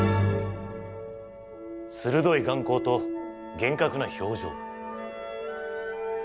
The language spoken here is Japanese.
鋭い眼光と厳格な表情。